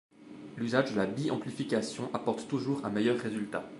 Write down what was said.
L'usage de la bi-amplification apporte toujours un meilleur résultat.